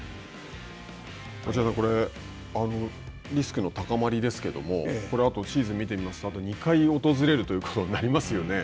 落合さん、これリスクの高まりですけれどもこれはあとシーズンを見てみますとあと２回訪れるということになりますよね。